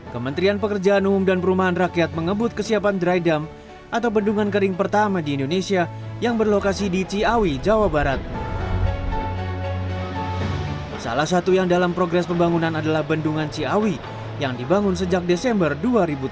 kementerian pekerjaan umum dan perumahan rakyat menginjau kesiapan infrastruktur dalam menghadapi musim penghujan salah satunya bendungan ciawi di bogor jawa barat